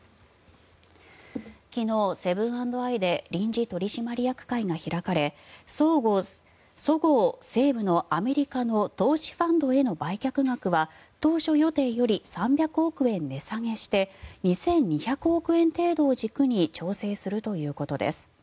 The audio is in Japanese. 昨日、セブン＆アイで臨時取締役会が開かれそごう・西武の、アメリカの投資ファンドへの売却額は当初予定より３００億円値下げして２２００億円程度を軸に調整するということです。